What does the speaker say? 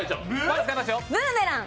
ブーメラン。